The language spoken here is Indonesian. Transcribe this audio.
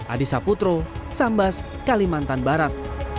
adisa putro sambas kalimantan barat